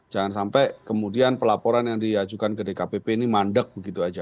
jangan sampai kemudian pelaporan yang diajukan ke dkpp ini mandek begitu aja